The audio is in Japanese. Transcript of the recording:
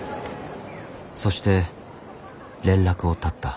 そして連絡を絶った。